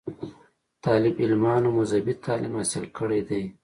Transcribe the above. طالب علمانومذهبي تعليم حاصل کړے دے